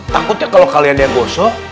takutnya kalau kalian dia gosok